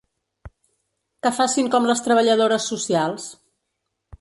Que facin com les treballadores socials.